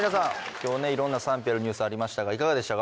今日ねいろんな賛否あるニュースありましたがいかがでしたか？